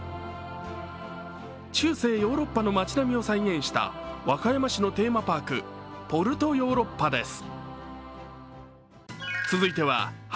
中世ヨーロッパの町並みを再現した和歌山市のテーマパークポルトヨーロッパです。